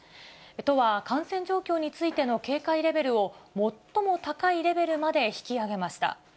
都は感染状況についての警戒レベルを最も高いレベルまで引き上げました。